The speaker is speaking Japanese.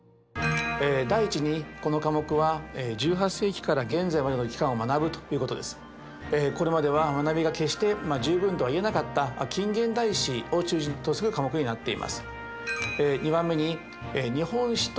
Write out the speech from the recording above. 第１にこの科目はこれまでは学びが決して十分とは言えなかった近現代史を中心とする科目になっています。